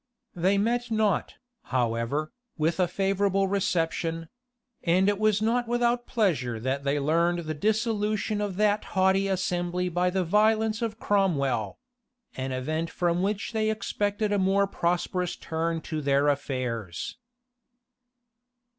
They met not, however, with a favorable reception; and it was not without pleasure that they learned the dissolution of that haughty assembly by the violence of Cromwell; an even from which they expected a more prosperous turn to their affairs.